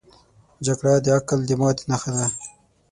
جګړه د عقل د ماتې نښه ده